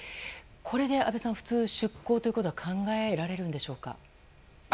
これで安倍さん普通、出航ということは考えられるのでしょうか。